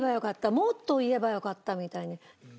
もっと言えばよかったみたいに。